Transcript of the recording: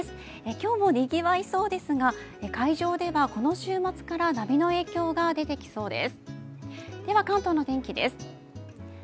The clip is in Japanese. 今日もにぎわいそうですが、海上ではこの週末から波の影響が出てきそうです。